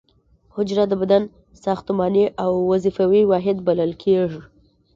حجره د بدن ساختماني او وظیفوي واحد بلل کیږي